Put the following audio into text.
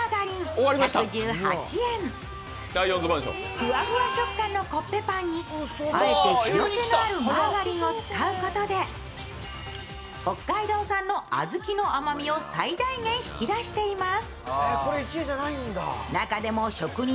ふわふわ食感のコッペパンにあえて塩気のあるマーガリンを使うことで北海道産の小豆の甘みを最大限引き出しています。